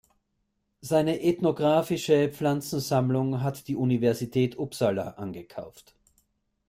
Seine ethnographische Pflanzensammlung hat die Universität Uppsala angekauft.